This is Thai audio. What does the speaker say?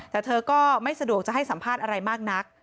แต่เธอก็ไม่สะดวกจะให้สัมภาษณ์อะไรมากนัก